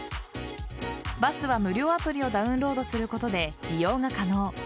バスは無料アプリをダウンロードすることで利用が可能。